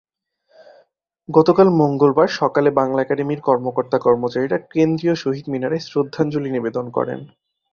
গতকাল মঙ্গলবার সকালে বাংলা একাডেমির কর্মকর্তা-কর্মচারীরা কেন্দ্রীয় শহীদ মিনারে শ্রদ্ধাঞ্জলি নিবেদন করেন।